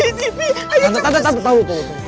tante tante tante tau